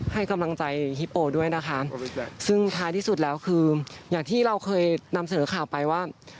ให้กำลังใจฮิปโปด้วยนะคะซึ่งท้ายที่สุดแล้วคืออย่างที่เราเคยนำเสนอข่าวไปว่า